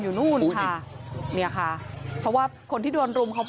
ช่องบ้านต้องช่วยแจ้งเจ้าหน้าที่เพราะว่าโดนรุมจนโอ้โหโดนฟันแผลเวิกวะค่ะ